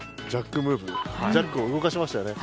ジャックを動かしましたよね。